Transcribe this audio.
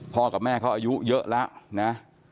กับแม่เขาอายุเยอะแล้วนะ